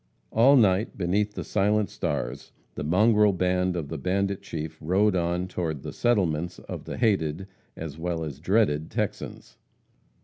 All night, beneath the silent stars, the mongrel band of the bandit chief rode on toward "the settlements" of the hated, as well as dreaded Texans.